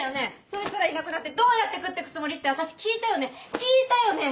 そいつらいなくなってどうやって食ってくつもり？って私聞いたよね聞いたよね！